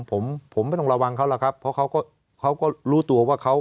ผมผมไม่ต้องระวังเขาหรอกครับเพราะเขาก็เขาก็รู้ตัวว่าเขา